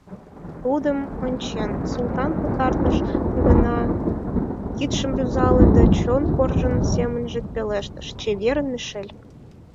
Тудым ончен, Султан пытартыш гана кидшым рӱзале да чон коржын семынже пелештыш: «Чеверын, Мишель!»